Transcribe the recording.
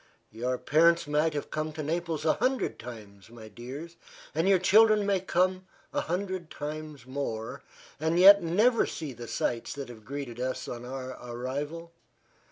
Your parents might have come to Naples a hundred times, my dears, and your children may come a hundred times more, and yet never see the sights that have greeted us on our arrival.